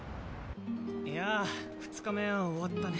いや２日目終わったね。